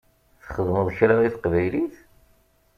Txedmeḍ kra i teqbaylit?